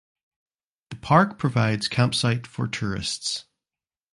The park provides campsite for tourists.